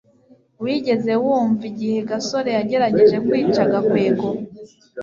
wigeze wumva igihe gasore yagerageje kwica gakwego